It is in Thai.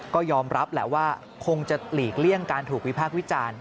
ก็ยอมรับแหละว่าคงจะหลีกเลี่ยงการถูกวิพากษ์วิจารณ์